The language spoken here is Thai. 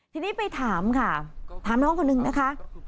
ทีนี้ไปถามค่ะถามน้องคนนึงนะคะ